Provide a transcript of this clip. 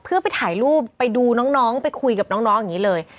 เพื่อไปถ่ายรูปไปดูน้องไปคุยกับน้องอย่างนี้เลย